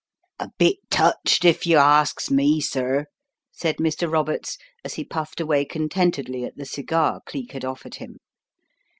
"A bit touched, if yer asks me, sir," said Mr, Roberts as he puffed away contentedly at the cigar Cleek had offered him.